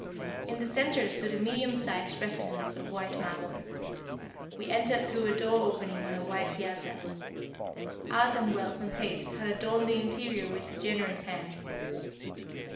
In the center stood a medium sized residence of white marble. We entered through a door opening on a wide piazza. Art and wealth and taste had adorned the interior with a generous hand.